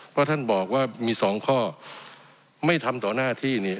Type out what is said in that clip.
เพราะท่านบอกว่ามีสองข้อไม่ทำต่อหน้าที่นี่